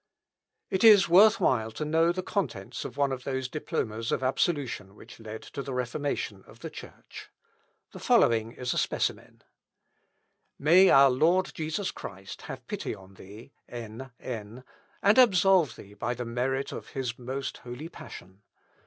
It is worth while to know the contents of one of those diplomas of absolution which led to the Reformation of the Church. The following is a specimen: "May our Lord Jesus Christ have pity on thee, N. N., and absolve thee by the merit of his most holy passion.